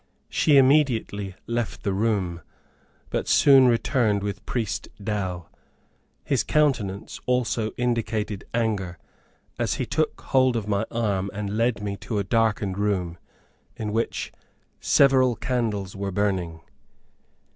She immediately left the room, but soon returned with Priest Dow. His countenance also indicated anger, as he took hold of my arm and led me to a darkened room, in which several candles were burning.